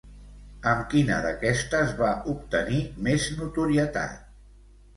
Amb quina d'aquestes va obtenir més notorietat?